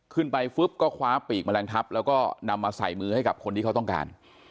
ขึ้นไปปุ๊บก็คว้าปีกแมลงทับแล้วก็นำมาใส่มือให้กับคนที่เขาต้องการ